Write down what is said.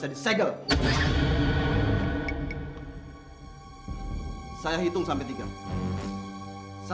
sekiranya kesempatan gua makin lurus